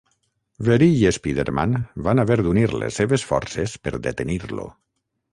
Verí i Spiderman van haver d'unir les seves forces per detenir-lo.